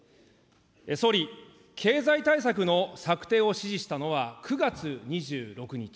総理、経済対策の策定を指示したのは９月２６日。